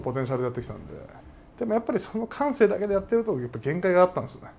でもやっぱりその感性だけでやってると限界があったんですよね。